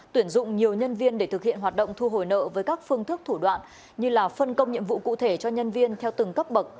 tuyển dụng nhiều nhân viên để thực hiện hoạt động thu hồi nợ với các phương thức thủ đoạn như là phân công nhiệm vụ cụ thể cho nhân viên theo từng cấp bậc